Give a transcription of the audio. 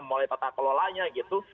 mulai tata kelolanya gitu